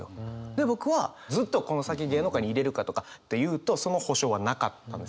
で僕はずっとこの先芸能界にいれるかとかで言うとその保証はなかったんですよ。